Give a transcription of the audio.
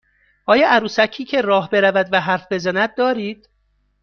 آیا عروسکی که راه برود و حرف بزند دارید؟